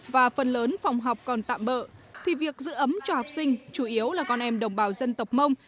và phần lớn phòng học còn tạm bỡ thì việc giữ ấm cho học sinh chủ yếu là con em đồng bào dân tộc mông